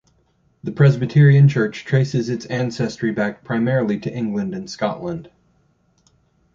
The Presbyterian church traces its ancestry back primarily to England and Scotland.